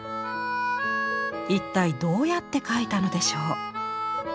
一体どうやって描いたのでしょう。